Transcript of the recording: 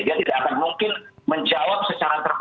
dia tidak akan mungkin menjawab secara terbuka